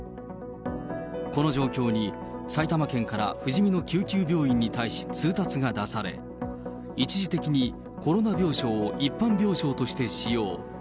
この状況に埼玉県からふじみの救急病院に対し、通達が出され、一時的にコロナ病床を一般病床として使用。